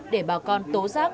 để bà con tố giác